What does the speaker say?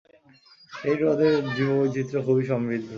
এই হ্রদের জীব বৈচিত্র্য খুবই সমৃদ্ধ।